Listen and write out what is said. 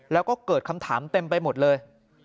แล้วก็เกิดคำถามเต็มไปหมดเลย